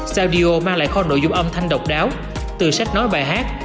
sandio mang lại kho nội dung âm thanh độc đáo từ sách nói bài hát